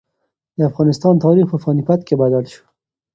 د افغانستان تاریخ په پاني پت کې بدل شو.